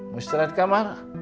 mau istirahat di kamar